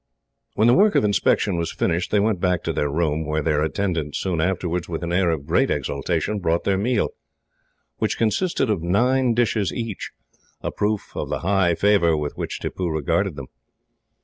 When the work of inspection was finished, they went back to their room, where their attendant soon afterwards, with an air of great exultation, brought their meal, which consisted of nine dishes each, a proof of the high favour with which Tippoo regarded them.